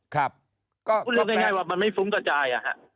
ครับก็คุณเรียกง่ายง่ายว่ามันไม่ฟุ้งกระจายอะฮะ